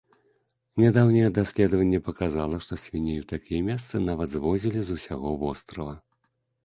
Нядаўняе даследаванне паказала, што свіней у такія месцы нават звозілі з усяго вострава.